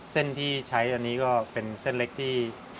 เส้นที่ใช้อันนี้ก็เป็นเส้นเล็กที่